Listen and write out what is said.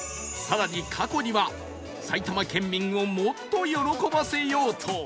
更に過去には埼玉県民をもっと喜ばせようと